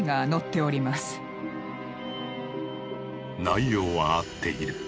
内容は合っている。